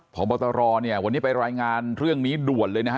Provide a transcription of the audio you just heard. พบตรเนี่ยวันนี้ไปรายงานเรื่องนี้ด่วนเลยนะฮะ